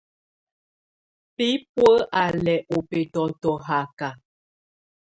Bibuǝ́ á lɛ ɔ́ bɛtɔtɔ ɔ haka.